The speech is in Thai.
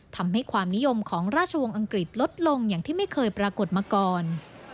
ทำให้ความนิยมของราชวงศ์อังกฤษลดลงอย่างที่ไม่เคยปรากฏมาก่อน